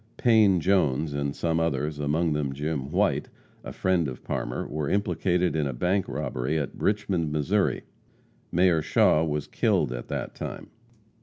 Payne Jones, and some others, among them Jim White, a friend of Parmer, were implicated in a bank robbery at Richmond, Mo. Mayor Shaw was killed at that time.